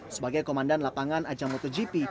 sebagai komandan lapangan ajang motogp